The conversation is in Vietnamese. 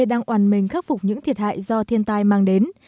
đang oàn mình khắc phục những thiệt hại do thiên tai mang đến